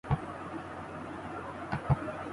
جو کہا تو سن کے اڑا دیا جو لکھا تو پڑھ کے مٹا دیا